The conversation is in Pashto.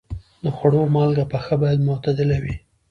د خوړو مالګه پخه باید معتدله وي.